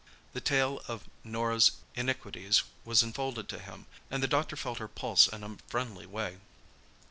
The tale of Norah's iniquities was unfolded to him, and the doctor felt her pulse in a friendly way.